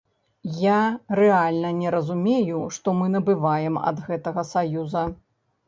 Я рэальна не разумею, што мы набываем ад гэтага саюза.